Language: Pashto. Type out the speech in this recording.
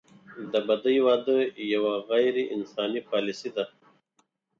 د بدۍ واده یوه غیر انساني پالیسي ده.